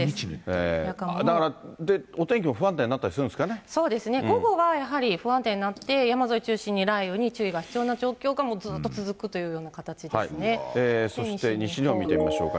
だから、お天気も不安定になそうですね、午後はやはり、不安定になって、山沿い中心に雷雨に注意が必要な状況がずっと続くというような形そして西日本見てみましょうか。